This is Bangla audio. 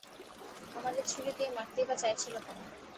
আমাদের ছুরি দিয়ে মারতেই বা চাইছিল কেন?